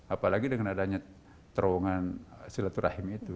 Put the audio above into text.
apalagi dengan adanya terowongan silaturahim itu